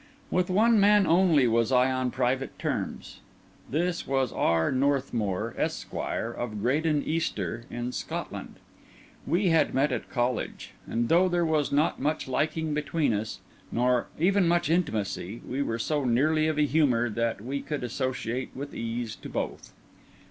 With one man only was I on private terms; this was R. Northmour, Esquire, of Graden Easter, in Scotland. We had met at college; and though there was not much liking between us, nor even much intimacy, we were so nearly of a humour that we could associate with ease to both.